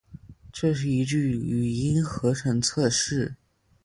这是一句语音合成测试